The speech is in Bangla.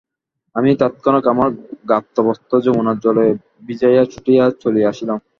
আমি তৎক্ষণাৎ আমার গাত্রবস্ত্র যমুনার জলে ভিজাইয়া ছুটিয়া চলিয়া আসিলাম।